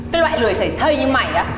cái loại lười chảy thây như mày á